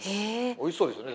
おいしそうですよね。